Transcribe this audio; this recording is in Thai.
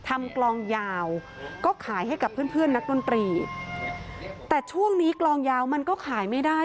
กลองยาวก็ขายให้กับเพื่อนเพื่อนนักดนตรีแต่ช่วงนี้กลองยาวมันก็ขายไม่ได้